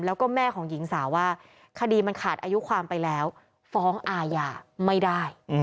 แล้วก็แม่ของหญิงสาวว่าคดีมันขาดอายุความไปแล้วฟ้องอาญาไม่ได้